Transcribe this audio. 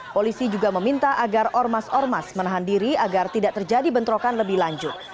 polisi juga meminta agar ormas ormas menahan diri agar tidak terjadi bentrokan lebih lanjut